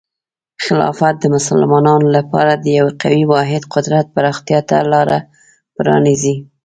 خلافت د مسلمانانو لپاره د یو قوي واحد قدرت پراختیا ته لاره پرانیزي.